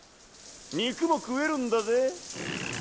肉も食えるんだぜ。